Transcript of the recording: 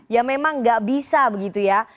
ya memang nggak bisa begitu ya